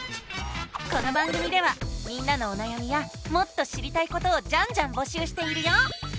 この番組ではみんなのおなやみやもっと知りたいことをジャンジャンぼしゅうしているよ！